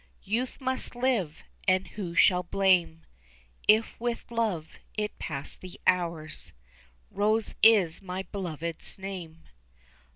Youth must live and who shall blame If with love it pass the hours? Rose is my beloved's name.